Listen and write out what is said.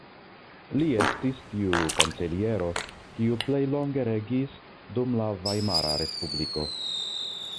Li estis tiu kanceliero kiu plej longe regis dum la Vajmara Respubliko.